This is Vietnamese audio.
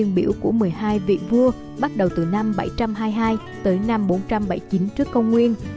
biểu của một mươi hai vị vua bắt đầu từ năm bảy trăm hai mươi hai tới năm bốn trăm bảy mươi chín trước công nguyên